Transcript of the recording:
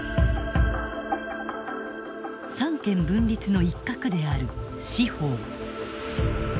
三権分立の一角である司法。